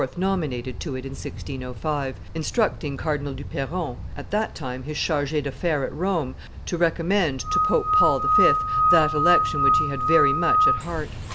nominated to it in 1605, instructing Cardinal du Perron, at that time his charge d'affaires at Rome, to recommend to Pope Paul V. that election which he had very much at heart.